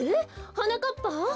はなかっぱ？